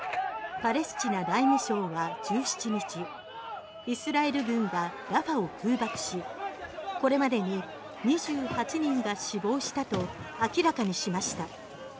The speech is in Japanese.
パレスチナ内務省は１７日イスラエル軍がラファを空爆しこれまでに２８人が死亡したと明らかにしました。